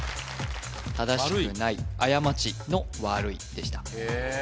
正しくない過ちの非いでした・へえ